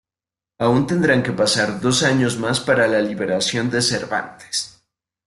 Aún tendrán que pasar dos años más para la liberación de Cervantes.